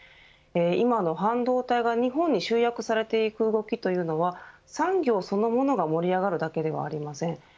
今の半導体が、日本に集約されていく動きというのは産業そのものが盛り上がるだけではありません。